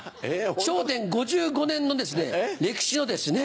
『笑点』５５年の歴史のですね